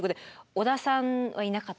織田さんはいなかった。